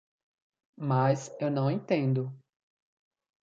Mas eu não entendo.